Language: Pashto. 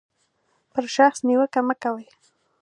پر شخص نیوکه مه کوئ.